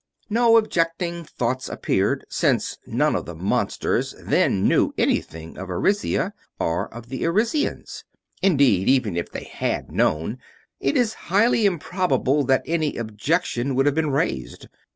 No objecting thoughts appeared, since none of the monsters then knew anything of Arisia or of the Arisians. Indeed, even if they had known, it is highly improbable that any objection would have been raised.